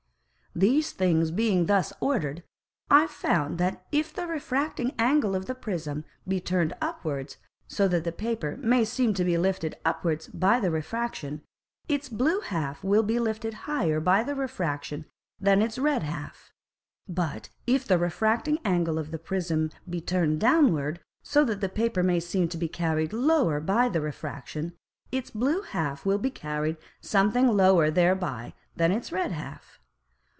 These things being thus ordered, I found that if the refracting Angle of the Prism be turned upwards, so that the Paper may seem to be lifted upwards by the Refraction, its blue half will be lifted higher by the Refraction than its red half. But if the refracting Angle of the Prism be turned downward, so that the Paper may seem to be carried lower by the Refraction, its blue half will be carried something lower thereby than its red half.